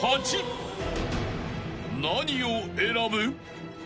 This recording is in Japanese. ［何を選ぶ？］